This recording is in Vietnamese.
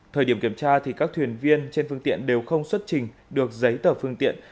thời điểm kiểm tra các thuyền viên trên phương tiện đều không xuất trình được giấy tờ phương tiện